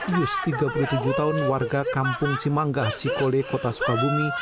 yus tiga puluh tujuh tahun warga kampung cimanggah cikole kota sukabumi